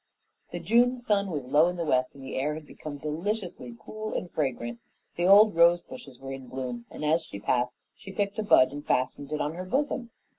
The June sun was low in the west and the air had become deliciously cool and fragrant. The old rosebushes were in bloom, and as she passed she picked a bud and fastened it on her bosom.